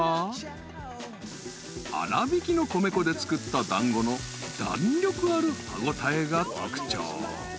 ［粗びきの米粉で作った団子の弾力ある歯応えが特徴］